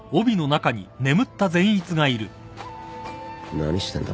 何してんだ？